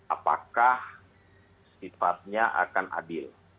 apakah sifatnya akan adil